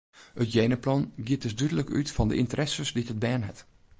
It jenaplan giet dus dúdlik út fan de ynteresses dy't it bern hat.